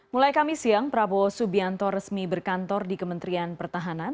mulai kami siang prabowo subianto resmi berkantor di kementerian pertahanan